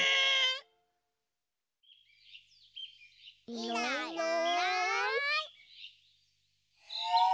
いないいない。